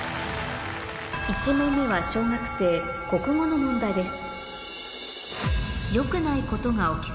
１問目は小学生国語の問題です